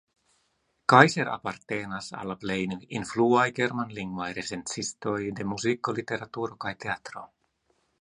Kaiser apartenas al la plej influaj germanlingvaj recenzistoj de muziko, literaturo kaj teatro.